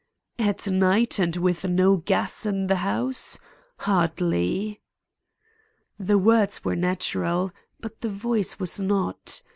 "At night and with no gas in the house? Hardly." The words were natural, but the voice was not.